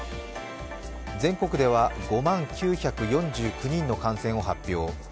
全国では５万９４９人の感染を発表。